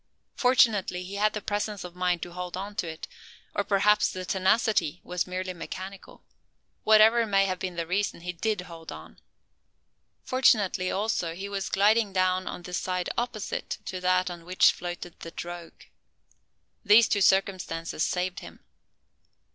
Fortunately, he had the presence of mind to hold on to it; or perhaps the tenacity was merely mechanical. Whatever may have been the reason, he did hold on. Fortunately, also, he was gliding down on the side opposite to that on which floated the "drogue." These two circumstances saved him.